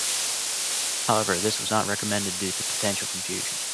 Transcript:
However, this was not recommended due to potential confusion.